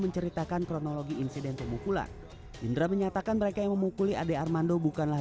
menceritakan kronologi insiden pemukulan indra menyatakan mereka yang memukuli ade armando bukanlah